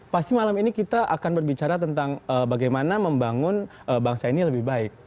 pasti malam ini kita akan berbicara tentang bagaimana membangun bangsa ini lebih baik